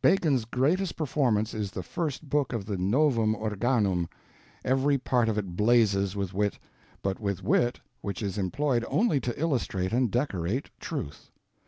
Bacon's greatest performance is the first book of the Novum Organum.... Every part of it blazes with wit, but with wit which is employed only to illustrate and decorate truth.